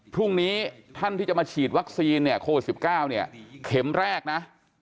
พรุ่งนี้ท่านที่จะมาฉีดวัคซีนเนี่ยโควิด๑๙เนี่ยเข็มแรกนะ